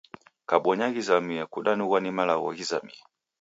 Kabonya ghizamie kudanughwa ni malagho ghizamie.